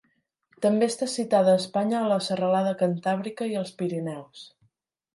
També està citada a Espanya a la Serralada Cantàbrica i els Pirineus.